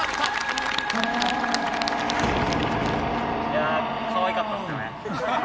いやかわいかったですよね。